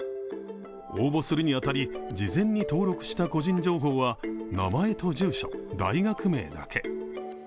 応募するに当たり、事前に登録した個人情報は名前と住所、大学名だけ。